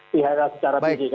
pihak pihak secara fisik